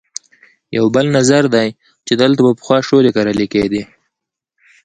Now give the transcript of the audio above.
یو بل نظر دی چې دلته به پخوا شولې کرلې کېدې.